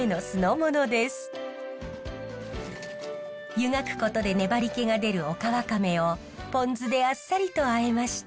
湯がくことで粘りけが出るオカワカメをポン酢であっさりとあえました。